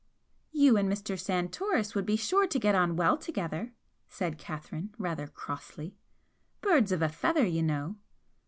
"You and Mr. Santoris would be sure to get on well together," said Catherine, rather crossly "'Birds of a feather,' you know!"